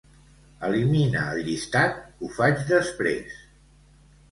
Elimina el llistat "ho faig després".